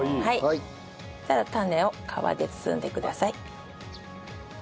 そしたらタネを皮で包んでください。